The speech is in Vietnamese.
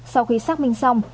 sau khi xác minh xong